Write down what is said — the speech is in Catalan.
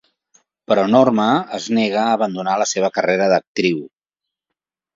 Però Norma es nega a abandonar la seva carrera d'actriu.